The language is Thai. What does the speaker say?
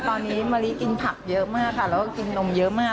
ตอนนี้มะลิกินผักเยอะมากค่ะแล้วก็กินนมเยอะมาก